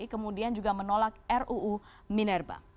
kemudian juga menolak ruu minerba